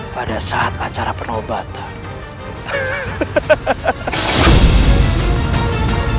pada saat acara penobatan